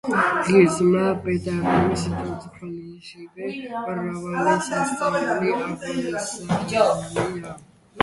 ღირსმა პეტრემ სიცოცხლეშივე მრავალი სასწაული აღასრულა.